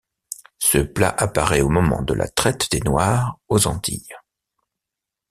Ce plat apparaît au moment de la traite des noirs aux Antilles.